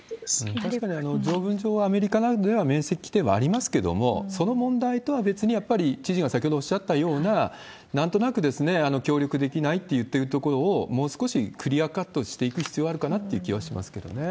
確かに条文上、アメリカなどでは免責っていうのありますけれども、その問題とは別にやっぱり、知事が先ほどおっしゃったような、なんとなく協力できないっていってるところを、もう少しクリアカットしていく必要はあるかなっていう気はします